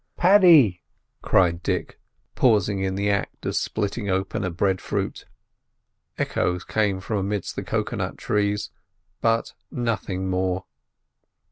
"Paddy!" cried Dick, pausing in the act of splitting open a breadfruit. Echoes came from amidst the cocoa nut trees, but nothing more.